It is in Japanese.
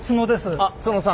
あっ津野さん。